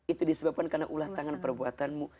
itu disebabkan karena ulah tangan perbuatanmu